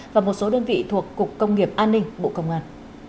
và một số đơn vị thuộc cục công nghiệp an ninh bộ công an